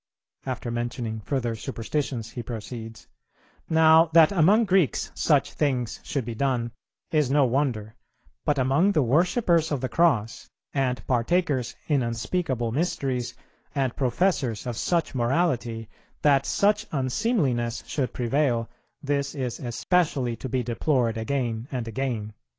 After mentioning further superstitions, he proceeds, "Now that among Greeks such things should be done, is no wonder; but among the worshippers of the Cross, and partakers in unspeakable mysteries, and professors of such morality, that such unseemliness should prevail, this is especially to be deplored again and again."